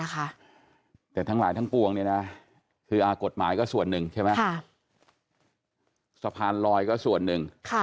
สะพานลอยก็ส่วนหนึ่ง